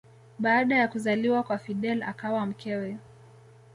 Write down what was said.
Baada ya kuzaliwa kwa Fidel akawa mkewe